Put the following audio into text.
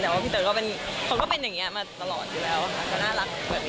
แต่ว่าพี่เต๋อเขาก็เป็นอย่างนี้มาตลอดอยู่แล้วค่ะ